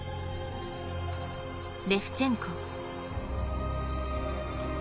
レフチェンコ。